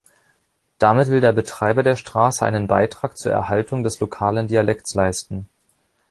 Damit will der Betreiber der Straße einen Beitrag zur Erhaltung des lokalen Dialekts leisten.